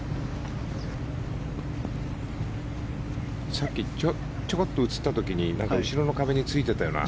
さっきちょこっと映った時に後ろの壁についていたような。